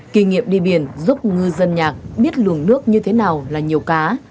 kỷ niệm đi biển giúp ngư dân nhạc biết luồng nước như thế nào là nhiều cá